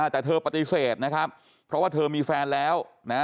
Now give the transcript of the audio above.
แต่เธอปฏิเสธนะครับเพราะว่าเธอมีแฟนแล้วนะ